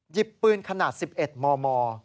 หยิบปืนขนาด๑๑มม